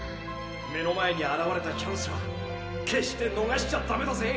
目の前にあらわれたチャンスは決してのがしちゃだめだぜ。